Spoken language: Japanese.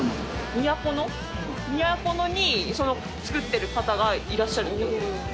都野に作ってる方がいらっしゃるってことですか。